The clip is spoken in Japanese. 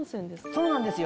そうなんですよ。